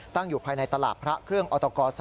ตั้งอยู่ภายในตลาดพระเครื่องอตก๓